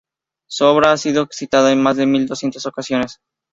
Su obra ha sido citada en más de mil doscientas ocasiones.